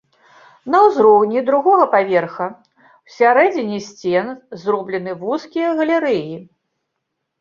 На ўзроўні другога паверха ў сярэдзіне сцен зроблены вузкія галерэі.